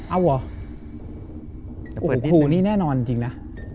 โอ้โหครูนี้แน่นอนจริงนะ